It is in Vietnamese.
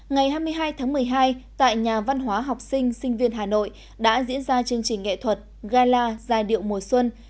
ngày hai mươi hai tháng một mươi hai tại nhà văn hóa học sinh sinh viên hà nội đã diễn ra chương trình nghệ thuật gala giai điệu mùa xuân